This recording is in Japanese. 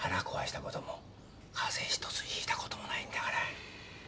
ことも風邪一つひいたこともないんだから。